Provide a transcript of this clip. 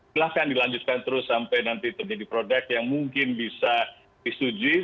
silahkan dilanjutkan terus sampai nanti terjadi produk yang mungkin bisa disuji